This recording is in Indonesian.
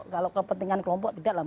kalau kepentingan kelompok tidak lah